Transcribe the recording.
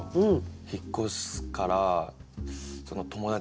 引っ越すからその友達